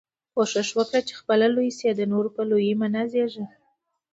کوښښ وکه، چي خپله لوى سې، د نورو په لويي مه نازېږه!